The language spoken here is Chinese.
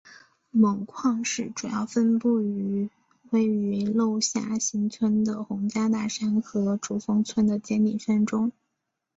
锰矿石主要分布于位于娄霞新村的洪家大山和竹峰村的尖顶山中。